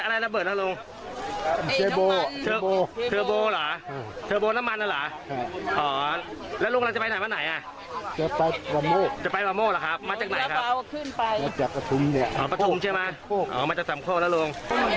ไอ้บ้านเขาไอ้บ้านเฮ่ยบ้าน